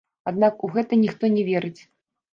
Аднак у гэта ніхто не верыць.